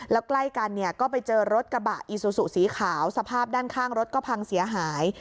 แล้วใกล้กันเนี่ยก็ไปเจอรถกระบะอีซูซูสีขาวสภาพด้านข้างรถก็พังเสียหาย